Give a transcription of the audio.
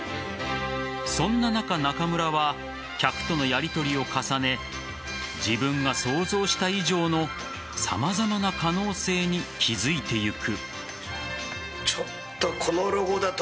そんな中、中村は客とのやりとりを重ね自分が想像した以上の様々な可能性に気付いていく。